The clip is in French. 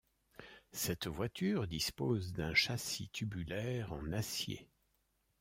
Cette voiture dispose d'un châssis tubulaire en acier.